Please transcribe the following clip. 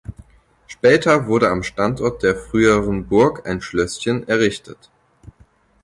Später wurde am Standort der früheren Burg ein Schlösschen errichtet.